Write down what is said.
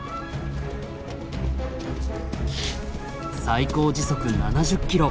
最高時速７０キロ。